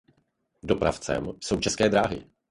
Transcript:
Dopravcem jsou České dráhy.